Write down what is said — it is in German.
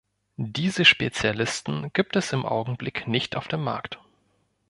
Diese Spezialisten gibt es im Augenblick nicht auf dem Markt.